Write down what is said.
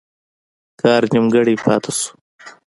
کار نیمګړی پاته شو.